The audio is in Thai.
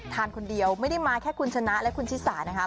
ทานคนเดียวไม่ได้มาแค่คุณชนะและคุณชิสานะคะ